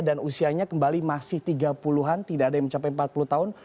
dan usianya kembali masih tiga puluh an tidak ada yang mencapai empat puluh tahun